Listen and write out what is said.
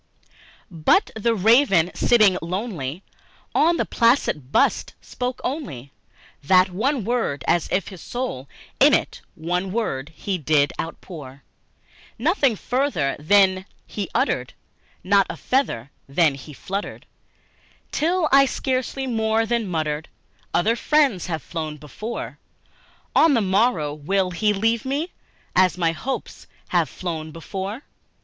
But the Raven, sitting lonely on that placid bust, spoke only That one word, as if his soul in that one word he did outpour; Nothing further then he uttered, not a feather then he fluttered, Till I scarcely more than muttered "Other friends have flown before, On the morrow he will leave me, as my hopes have flown before."